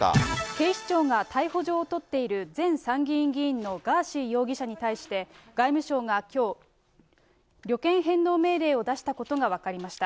警視庁が逮捕状を取っている前参議院議員のガーシー容疑者に対して、外務省がきょう、旅券返納命令を出したことが分かりました。